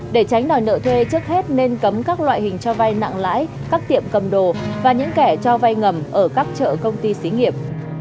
để tránh đòi nợ thuê trước hết nên cấm các loại hình cho vay nặng lãi các tiệm cầm đồ và những kẻ cho vay ngầm ở các chợ công ty xí nghiệp